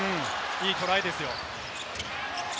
いいトライですよ。